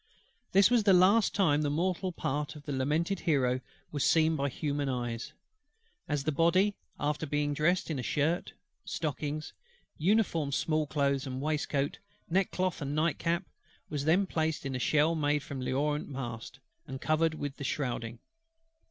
This was the last time the mortal part of the lamented Hero was seen by human eyes; as the Body, after being dressed in a shirt, stockings, uniform small clothes and waistcoat, neckcloth, and night cap, was then placed in the shell made from L'Orient's mast, and covered with the shrouding.